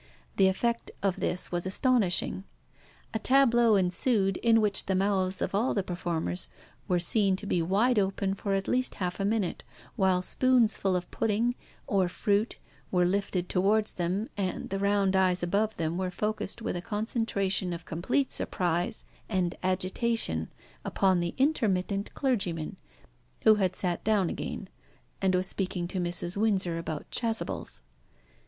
The effect of this was astonishing. A tableau ensued, in which the mouths of all the performers were seen to be wide open for at least half a minute, while spoons full of pudding, or fruit, were lifted towards them, and the round eyes above them were focussed with a concentration of complete surprise and agitation upon the intermittent clergyman, who had sat down again, and was speaking to Mrs. Windsor about chasubles.